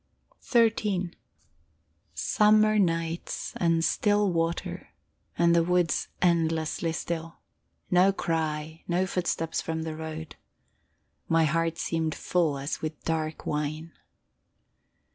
XIII Summer nights and still water, and the woods endlessly still. No cry, no footsteps from the road. My heart seemed full as with dark wine.